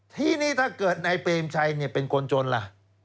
ทีนี้ถ้าเกิดนายเปรมชัยเป็นคนจนล่ะ